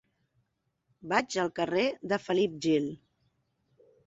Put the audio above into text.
Vaig al carrer de Felip Gil.